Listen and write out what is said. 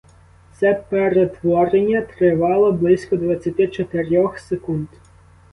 Це перетворення тривало близько двадцяти чотирьох секунд.